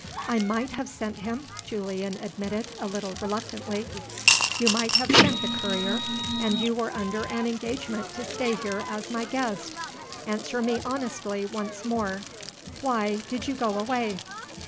"I might have sent him," Julian admitted, a little reluctantly. "You might have sent the courier and you were under an engagement to stay here as my guest. Answer me honestly once more. Why did you go away?"